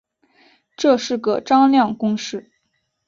这是个张量公式。